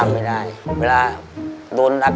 มี๖๔แล้วอะ